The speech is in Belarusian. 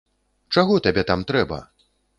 Чаго табе там трэба?